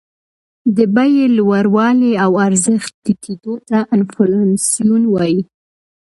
د بیې لوړوالي او ارزښت ټیټېدو ته انفلاسیون وايي